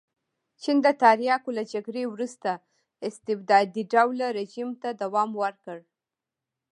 چین د تریاکو له جګړې وروسته استبدادي ډوله رژیم ته دوام ورکړ.